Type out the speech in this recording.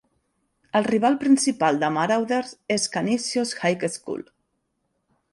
El rival principal de Marauders és Canisius High School.